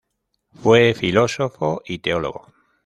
Fue filósofo y teólogo.